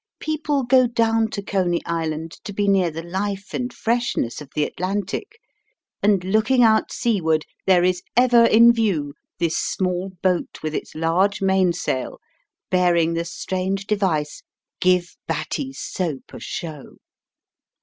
People go down to Coney Island to be near the life and freshness of the Atlantic ; and looking out seaward there is ever in view this small boat with its large mainsail bearing the strange device, " Give Batty's Soap a Show."